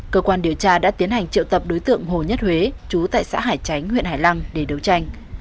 cơ quan điều tra đã tiến hành triệu tập đối tượng hồ nhất huế chú tại xã hải chánh huyện hải lăng để đấu tranh